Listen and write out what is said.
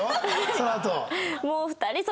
そのあと。